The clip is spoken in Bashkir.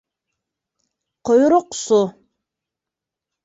Ҡойроҡсо...